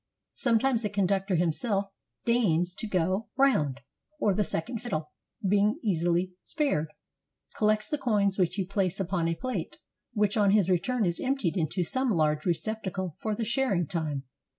Sometimes the conductor himself deigns to go 403 AUSTRIA HUNGARY round. Or the second fiddle, being easily spared, col lects the coins which you place upon a plate, which on his return is emptied into some large receptacle for the sharing time.